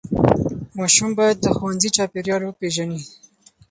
ماشوم باید د ښوونځي چاپېریال وپیژني.